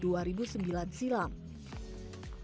berubah menjadi sebuah kemampuan yang sangat berharga